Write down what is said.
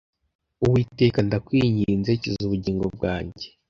Uwiteka ndakwinginze, kiza ubugingo bwanjye